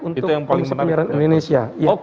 untuk pengisian penyelidikan indonesia